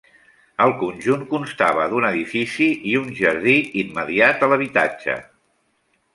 El conjunt constava d'un edifici i un jardí immediat a l'habitatge.